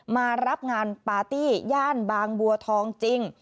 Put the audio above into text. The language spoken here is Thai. มารับงานปาร์ตี้ย่านบางบัวทองจริง